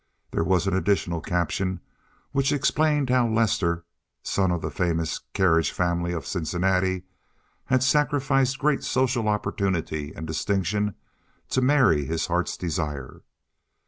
There was an additional caption which explained how Lester, son of the famous carriage family of Cincinnati, had sacrificed great social opportunity and distinction to marry his heart's desire.